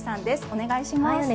お願いします。